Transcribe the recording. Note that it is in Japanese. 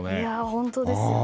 本当ですよね。